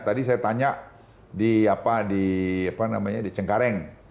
tadi saya tanya di apa di apa namanya di cengkareng